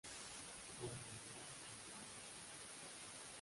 Juan murió sin descendencia.